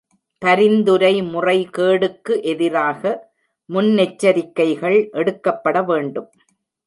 பரிந்துரை முறைகேடுக்கு எதிராக முன்னெச்சரிக்கைகள் எடுக்கப்பட வேண்டும்.